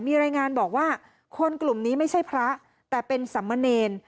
มีรายงานบอกว่าคนกลุ่มนี้ไม่ใช่พระแต่เป็นสำมะเนร